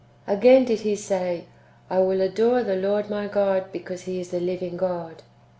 Again did he say, " I will adore the Lord my God, because He is the living God."